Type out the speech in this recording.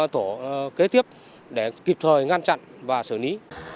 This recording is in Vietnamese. tổ kế tiếp để kịp thời ngăn chặn và xử lý